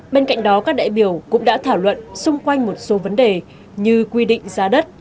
bên cạnh đó các đại biểu cũng đã thảo luận xung quanh một số vấn đề như quy định giá đất